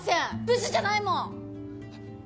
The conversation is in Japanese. ブスじゃないもん！